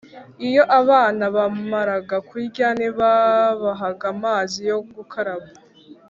Iyo abana bamaraga kurya ntibabahaga amazi yo gukaraba;